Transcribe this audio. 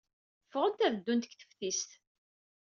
Ffɣent ad ddunt deg teftist.